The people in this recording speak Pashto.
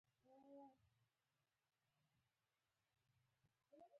هغه به یې په ډېرو ستونزو ساته.